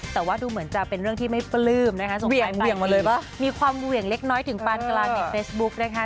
แต่ว่าดูเหมือนจะเป็นเรื่องที่ไม่ปลื้มนะคะส่งให้ไปมีความเหวี่ยงเล็กถึงปานกราณในเฟซบุ๊คนะคะ